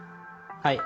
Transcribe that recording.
はい。